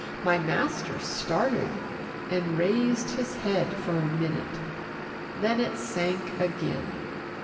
My master started, and raised his head for a minute. Then it sank again.